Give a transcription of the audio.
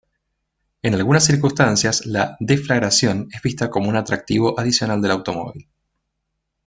En algunas circunstancias la deflagración es vista como un atractivo adicional del automóvil.